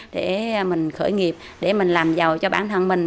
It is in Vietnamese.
để mình khởi nghiệp để mình làm giàu cho bản thân mình